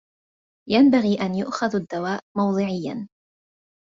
ينبغي أن يؤخذ الدواء موضعيا.